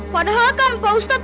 padahal kan pak ustadz